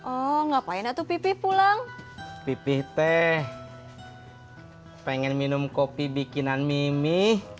oh ngapain atuh pipih pulang pipih teh pengen minum kopi bikinan mimi